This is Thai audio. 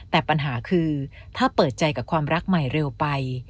แต่ปัญหาคือถ้าเปิดใจกับความรักใหม่เร็วไป